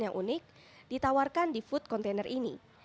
yang unik ditawarkan di food container ini